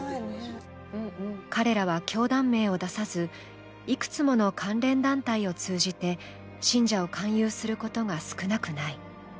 彼らは教団名を出さず、いくつもの関連団体を通じて信者を勧誘することが少なくない。